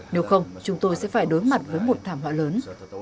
nếu không chúng tôi sẽ phải đối mặt với một thảm họa lớn